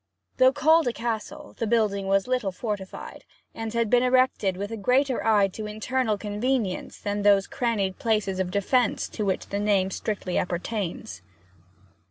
Though called a castle, the building was little fortified, and had been erected with greater eye to internal convenience than those crannied places of defence to which the name strictly appertains.